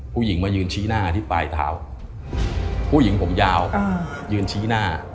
ผู้หญิงมายืนชี้หน้าที่ปลายเท้าผู้หญิงผมยาวยืนชี้หน้า